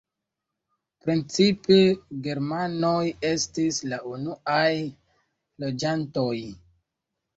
Precipe germanoj estis la unuaj loĝantoj.